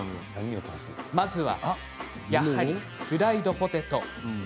まずはフライドポテト。